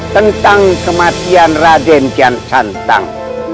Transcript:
tentang kematian raden kian santang